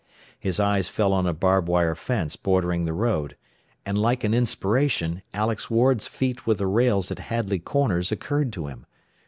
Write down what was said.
His eyes fell on a barb wire fence bordering the road, and like an inspiration Alex Ward's feat with the rails at Hadley Corners occurred to him.